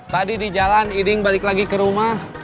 tadi di jalan iding balik lagi ke rumah